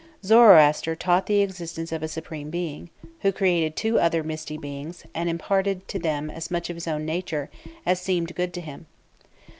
Zoroaster taught the existence of a supreme being, who created two other mighty beings and imparted to them as much of his own nature as seemed good to him.